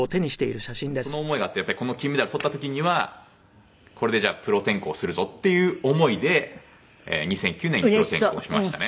その思いがあってやっぱりこの金メダルとった時にはこれでじゃあプロ転向するぞっていう思いで２００９年にプロ転向しましたね。